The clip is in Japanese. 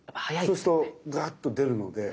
そうするとザーッと出るので。